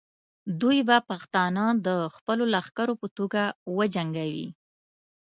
دوی به پښتانه د خپلو لښکرو په توګه وجنګوي.